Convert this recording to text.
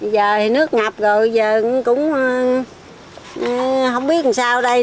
giờ thì nước ngập rồi giờ cũng không biết làm sao đây